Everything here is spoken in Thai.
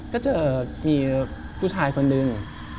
ก็เจอมีผู้ชายคนหนึ่ง